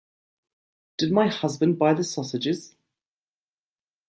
Did my husband buy the sausages?